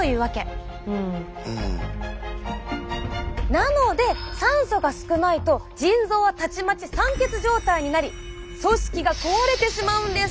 なので酸素が少ないと腎臓はたちまち酸欠状態になり組織が壊れてしまうんです。